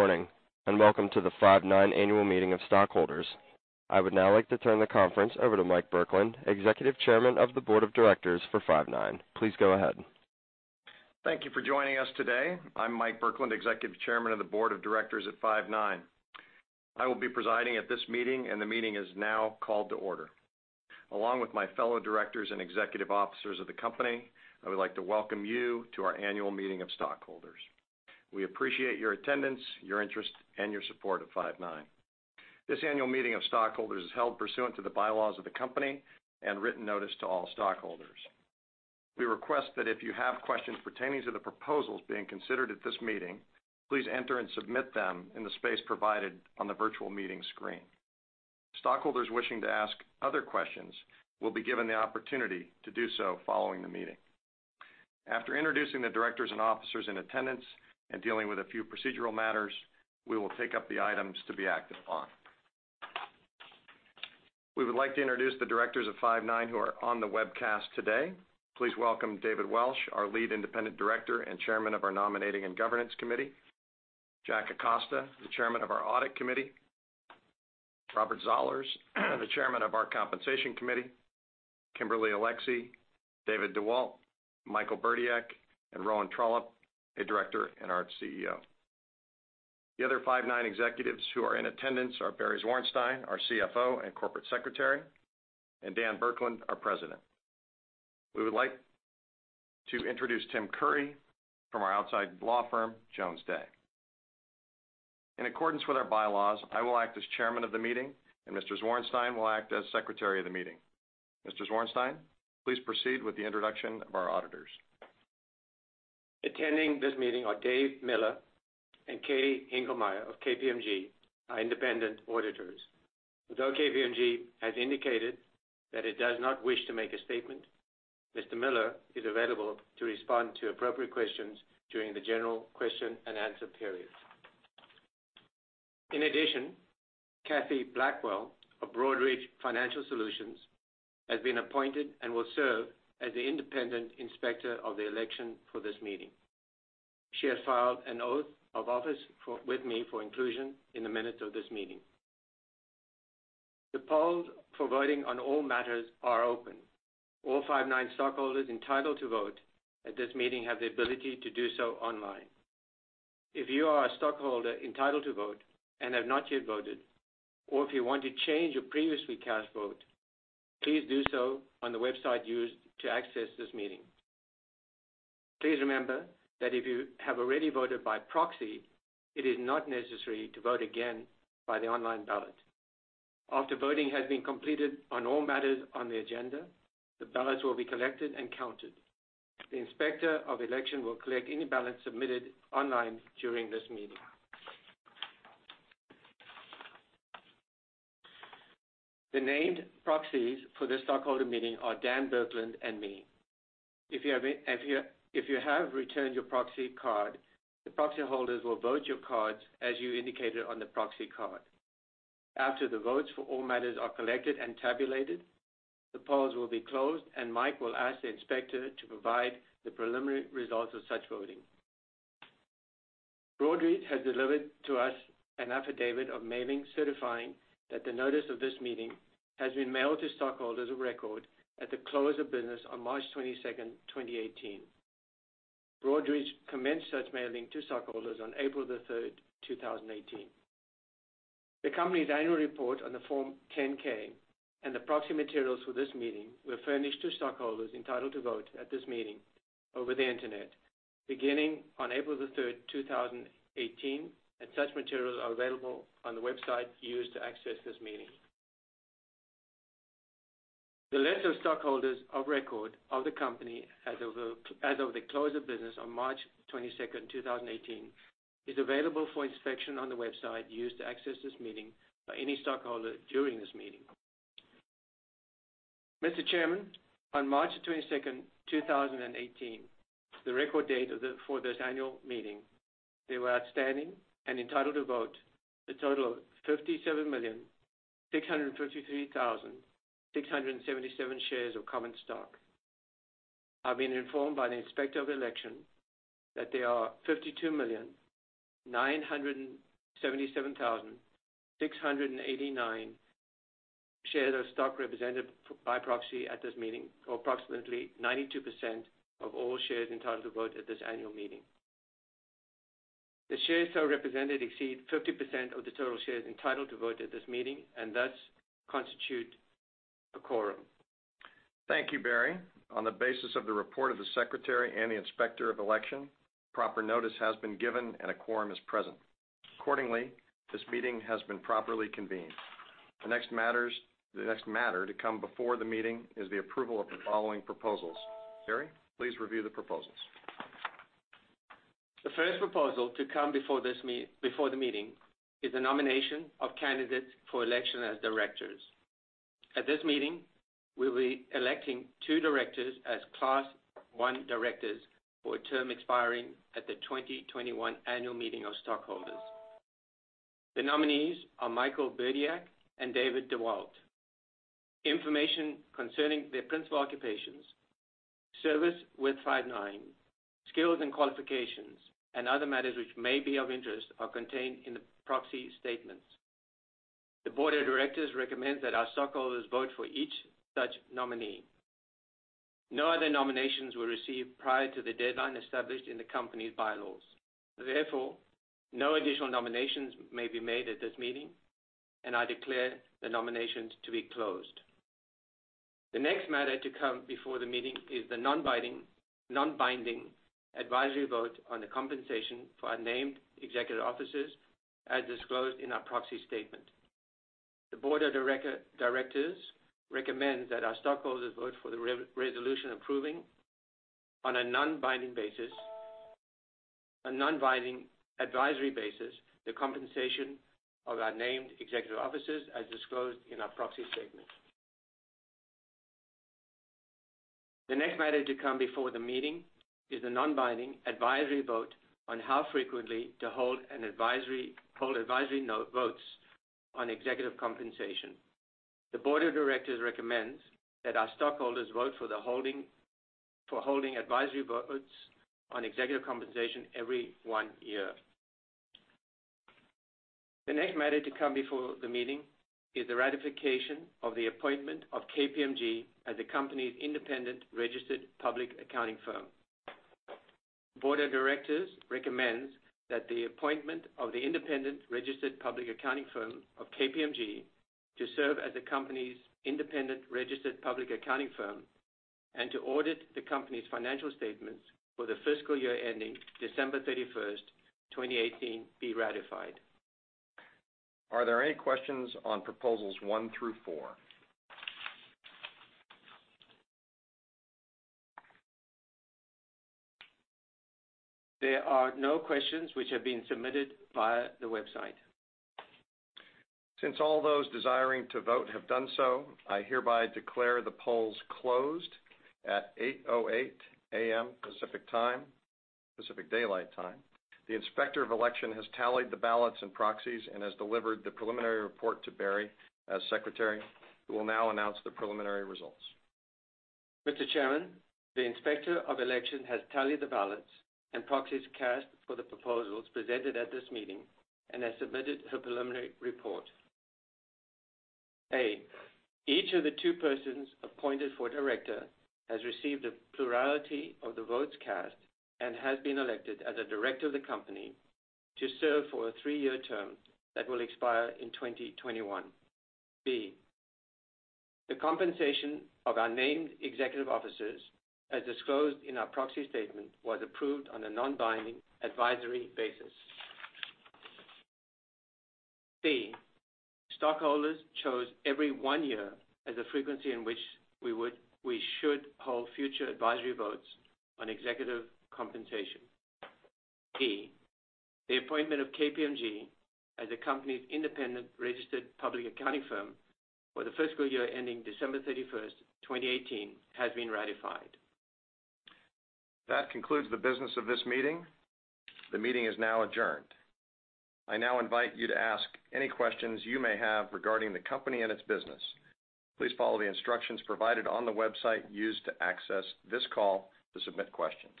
Good morning, and welcome to the Five9 annual meeting of stockholders. I would now like to turn the conference over to Mike Burkland, Executive Chairman of the Board of Directors for Five9. Please go ahead. Thank you for joining us today. I'm Mike Burkland, Executive Chairman of the Board of Directors at Five9. I will be presiding at this meeting, and the meeting is now called to order. Along with my fellow directors and executive officers of the company, I would like to welcome you to our annual meeting of stockholders. We appreciate your attendance, your interest, and your support of Five9. This annual meeting of stockholders is held pursuant to the bylaws of the company and written notice to all stockholders. We request that if you have questions pertaining to the proposals being considered at this meeting, please enter and submit them in the space provided on the virtual meeting screen. Stockholders wishing to ask other questions will be given the opportunity to do so following the meeting. After introducing the directors and officers in attendance and dealing with a few procedural matters, we will take up the items to be acted upon. We would like to introduce the directors of Five9 who are on the webcast today. Please welcome David Welsh, our lead independent director and chairman of our Nominating and Governance Committee. Jack Acosta, the chairman of our Audit Committee. Robert Zollars, the chairman of our Compensation Committee. Kimberly Alexy, David DeWalt, Michael Burdiek, and Rowan Trollope, a director and our CEO. The other Five9 executives who are in attendance are Barry Zwarenstein, our CFO and corporate secretary, and Dan Burkland, our president. We would like to introduce Timothy Curry from our outside law firm, Jones Day. In accordance with our bylaws, I will act as chairman of the meeting, and Mr. Zwarenstein will act as secretary of the meeting. Mr. Zwarenstein, please proceed with the introduction of our auditors. Attending this meeting are Dave Miller and Kay Hinglemire of KPMG, our independent auditors. Although KPMG has indicated that it does not wish to make a statement, Mr. Miller is available to respond to appropriate questions during the general question and answer period. In addition, Kathy Blackwell of Broadridge Financial Solutions has been appointed and will serve as the independent inspector of the election for this meeting. She has filed an oath of office with me for inclusion in the minutes of this meeting. The polls for voting on all matters are open. All Five9 stockholders entitled to vote at this meeting have the ability to do so online. If you are a stockholder entitled to vote and have not yet voted, or if you want to change your previously cast vote, please do so on the website used to access this meeting. Please remember that if you have already voted by proxy, it is not necessary to vote again by the online ballot. After voting has been completed on all matters on the agenda, the ballots will be collected and counted. The Inspector of Election will collect any ballots submitted online during this meeting. The named proxies for the stockholder meeting are Dan Burkland and me. If you have returned your proxy card, the proxy holders will vote your cards as you indicated on the proxy card. After the votes for all matters are collected and tabulated, the polls will be closed, and Mike will ask the inspector to provide the preliminary results of such voting. Broadridge has delivered to us an affidavit of mailing certifying that the notice of this meeting has been mailed to stockholders of record at the close of business on March 22nd, 2018. Broadridge commenced such mailing to stockholders on April the 3rd, 2018. The company's annual report on the Form 10-K and the proxy materials for this meeting were furnished to stockholders entitled to vote at this meeting over the internet beginning on April the 3rd, 2018, and such materials are available on the website used to access this meeting. The list of stockholders of record of the company as of the close of business on March 22nd, 2018, is available for inspection on the website used to access this meeting by any stockholder during this meeting. Mr. Chairman, on March 22nd, 2018, the record date for this annual meeting, there were outstanding and entitled to vote a total of 57,653,677 shares of common stock. I've been informed by the Inspector of Election that there are 52,977,689 shares of stock represented by proxy at this meeting, or approximately 92% of all shares entitled to vote at this annual meeting. The shares so represented exceed 50% of the total shares entitled to vote at this meeting and thus constitute a quorum. Thank you, Barry. On the basis of the report of the Secretary and the Inspector of Election, proper notice has been given and a quorum is present. Accordingly, this meeting has been properly convened. The next matter to come before the meeting is the approval of the following proposals. Barry, please review the proposals. The first proposal to come before the meeting is the nomination of candidates for election as directors. At this meeting, we'll be electing two directors as Class I directors for a term expiring at the 2021 annual meeting of stockholders. The nominees are Michael Burdiek and David DeWalt. Information concerning their principal occupations, service with Five9, skills and qualifications, and other matters which may be of interest are contained in the proxy statements. The board of directors recommend that our stockholders vote for each such nominee. No other nominations were received prior to the deadline established in the company's bylaws. No additional nominations may be made at this meeting, and I declare the nominations to be closed. The next matter to come before the meeting is the non-binding advisory vote on the compensation for our named executive officers as disclosed in our proxy statement. The board of directors recommends that our stockholders vote for the resolution approving, on a non-binding advisory basis, the compensation of our named executive officers as disclosed in our proxy statement. The next matter to come before the meeting is the non-binding advisory vote on how frequently to hold advisory votes on executive compensation. The board of directors recommends that our stockholders vote for holding advisory votes on executive compensation every one year. The next matter to come before the meeting is the ratification of the appointment of KPMG as the company's independent registered public accounting firm. The board of directors recommends that the appointment of the independent registered public accounting firm of KPMG to serve as the company's independent registered public accounting firm and to audit the company's financial statements for the fiscal year ending December 31st, 2018, be ratified. Are there any questions on proposals one through four? There are no questions which have been submitted via the website. Since all those desiring to vote have done so, I hereby declare the polls closed at 8:08 A.M. Pacific Daylight Time. The inspector of election has tallied the ballots and proxies and has delivered the preliminary report to Barry as secretary, who will now announce the preliminary results. Mr. Chairman, the inspector of election has tallied the ballots and proxies cast for the proposals presented at this meeting and has submitted her preliminary report. A. Each of the two persons appointed for director has received a plurality of the votes cast and has been elected as a director of the company to serve for a three-year term that will expire in 2021. B. The compensation of our named executive officers, as disclosed in our proxy statement, was approved on a non-binding advisory basis. C. Stockholders chose every one year as a frequency in which we should hold future advisory votes on executive compensation. D. The appointment of KPMG as the company's independent registered public accounting firm for the fiscal year ending December 31st, 2018, has been ratified. That concludes the business of this meeting. The meeting is now adjourned. I now invite you to ask any questions you may have regarding the company and its business. Please follow the instructions provided on the website used to access this call to submit questions.